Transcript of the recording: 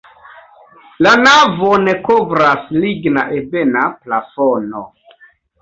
La navon kovras ligna ebena plafono.